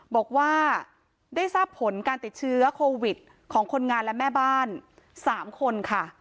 บอกว่าได้ทราบผลการติดเชื้อโควิดของคนงานและแม่บ้าน๓คนค่ะ